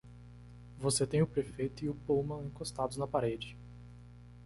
Você tem o prefeito e o Pullman encostados na parede.